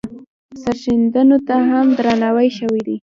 سرښندنو ته هم درناوی شوی دی.